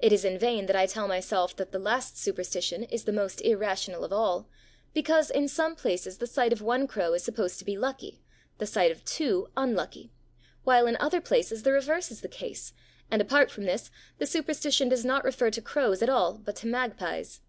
It is in vain that I tell myself that the last superstition is the most irrational of all, because in some places the sight of one crow is supposed to be lucky, the sight of two unlucky, while in other places the reverse is the case, and apart from this, the superstition does not refer to crows at all, but to magpies.